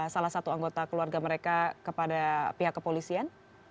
salah satu anggota keluarga mereka kepada pihak kepolisian